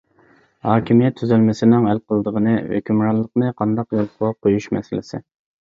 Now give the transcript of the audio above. ھاكىمىيەت تۈزۈلمىسىنىڭ ھەل قىلىدىغىنى ھۆكۈمرانلىقنى قانداق يولغا قۇيۇش مەسىلىسى.